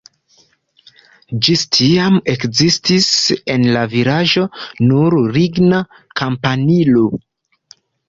Ĝis tiam ekzistis en la vilaĝo nur ligna kampanilo.